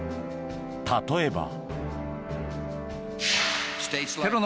例えば。